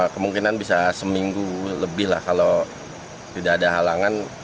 kemungkinan bisa seminggu lebih lah kalau tidak ada halangan